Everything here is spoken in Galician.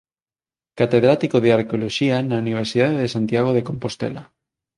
Catedrático de Arqueoloxía na Universidade de Santiago de Compostela.